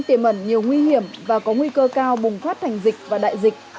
tìm ẩn nhiều nguy hiểm và có nguy cơ cao bùng thoát thành dịch và đại dịch